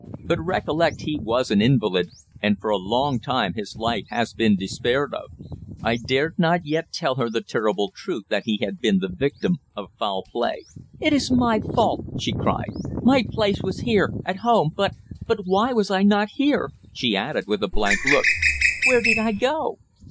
But recollect he was an invalid, and for a long time his life has been despaired of." I dared not yet tell her the terrible truth that he had been the victim of foul play. "It is my fault!" she cried. "My place was here at home. But but why was I not here?" she added with a blank look. "Where did I go?"